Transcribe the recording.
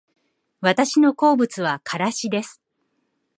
私の好物はからしです